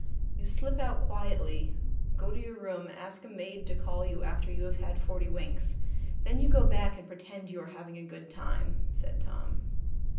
"You slip out quietly, go to your room ask a maid to call you after you have had forty winks, then you go back and pretend you are having a good time," said Tom.